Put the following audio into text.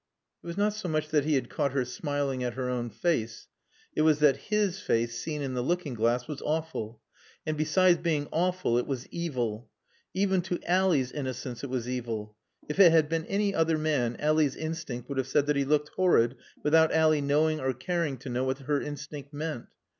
It was not so much that he had caught her smiling at her own face, it was that his face, seen in the looking glass, was awful. And besides being awful it was evil. Even to Ally's innocence it was evil. If it had been any other man Ally's instinct would have said that he looked horrid without Ally knowing or caring to know what her instinct meant.